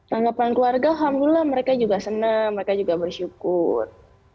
tanggapan keluarga alhamdulillah mereka juga senang mereka juga bersyukur